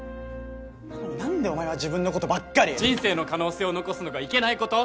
なのに何でお前は自分のことばっかり人生の可能性を残すのがいけないこと？